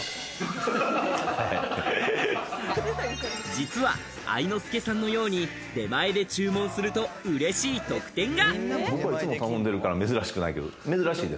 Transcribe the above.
実は、愛之助さんのように出前で注文するとうれしい特典が。